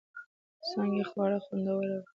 د څانگې خواړه خوندور و.